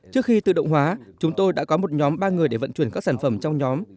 trước khi tự động hóa chúng tôi đã có một nhóm ba người để vận chuyển các sản phẩm trong nhóm